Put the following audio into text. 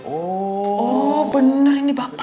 oh bener ini bapak